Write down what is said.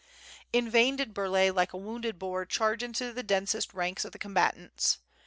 In vain did Burlay like a wounded boar charge into the densest ranks of the combatants.